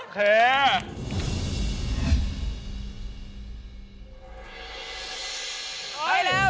แค่